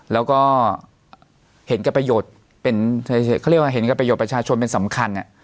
แล้วก็เห็นกับประโยชน์เป็นเขาเรียกว่าเห็นกับประโยชนประชาชนเป็นสำคัญ